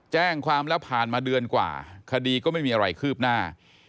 แจ้งความแล้วผ่านมาเดือนกว่าคดีก็ไม่มีอะไรคืบหน้า